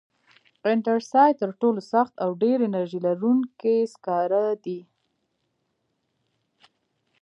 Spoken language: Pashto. انترسایت تر ټولو سخت او ډېر انرژي لرونکی سکاره دي.